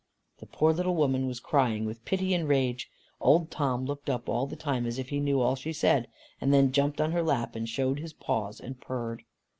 The poor little woman was crying with pity and rage. Old Tom looked up all the time as if he knew all she said, and then jumped on her lap, and showed his paws, and purred.